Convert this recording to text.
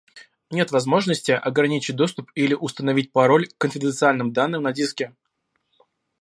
Нет возможности ограничить доступ или установить пароль к конфиденциальным данным на диске